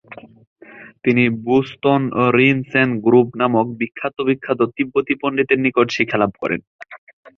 তিনি বু-স্তোন-রিন-ছেন-গ্রুব নামক বিখ্যাত বিখ্যাত তিব্বতী পন্ডিতের নিকট শিক্ষালাভ করেন।